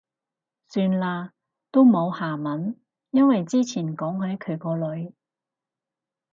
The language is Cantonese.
算喇，都冇下文。因為之前講起佢個女